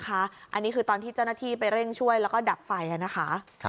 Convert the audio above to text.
อันนี้คือตอนที่เจ้าหน้าที่ไปเร่งช่วยแล้วก็ดับไฟนะคะ